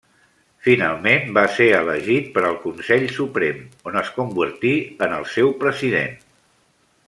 Finalment, va ser elegit per al Consell Suprem, on es convertí en el seu president.